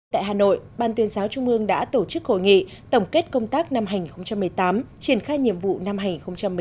tại hà nội ban tuyên giáo trung ương đã tổ chức hội nghị tổng kết công tác năm hành một mươi tám triển khai nhiệm vụ năm hành một mươi chín